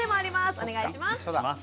お願いします。